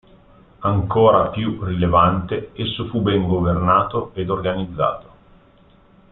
Ancora più rilevante, esso fu ben governato ed organizzato.